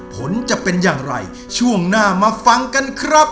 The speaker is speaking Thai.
ผลจะเป็นอย่างไรช่วงหน้ามาฟังกันครับ